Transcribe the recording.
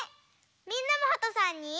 みんなもはとさんに。